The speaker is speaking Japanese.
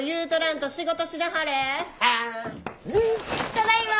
ただいま。